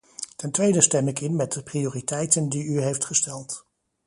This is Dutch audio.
Ten tweede stem ik in met de prioriteiten die u heeft gesteld.